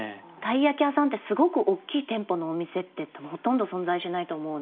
鯛焼屋さんってすごく大きい店舗のお店って多分ほとんど存在しないと思うので。